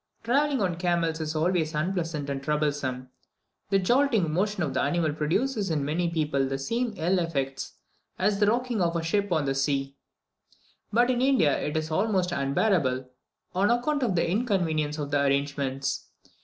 Travelling on camels is always unpleasant and troublesome. The jolting motion of the animal produces in many people the same ill effects as the rocking of a ship on the sea; but in India it is almost unbearable, on account of the inconvenience of the arrangements.